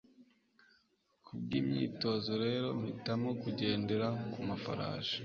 Kubwimyitozo rero mpitamo kugendera kumafarasi